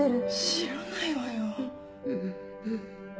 知らないわよ。